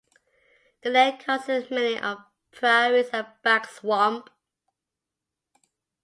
The land consists mainly of prairies and backswamp.